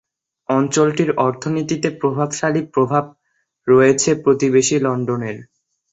অঞ্চলটির অর্থনীতিতে প্রভাবশালী প্রভাব রয়েছে প্রতিবেশী লন্ডনের।